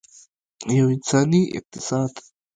یو انساني اقتصاد.